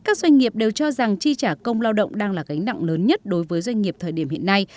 các doanh nghiệp đều cho rằng chi trả công lao động đang là gánh nặng lớn nhất đối với doanh nghiệp thời điểm hiện nay